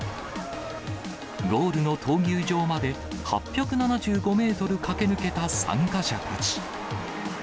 ゴールの闘牛場まで８７５メートル駆け抜けた参加者たち。